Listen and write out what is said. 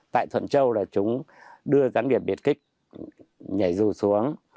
tại thuận châu chúng đưa gián điệp biệt kích nhảy dù xuống